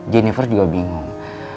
jennifer juga bingung